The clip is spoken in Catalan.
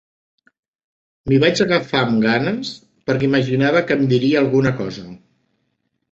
M'hi vaig agafar amb ganes, perquè imaginava que em diria alguna cosa.